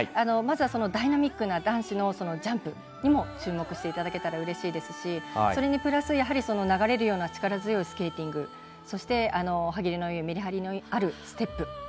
まずはダイナミックな男子のジャンプにも注目していただけたらうれしいですしそれにプラス、流れるような力強いスケーティングそして歯切れのいいメリハリのあるステップ。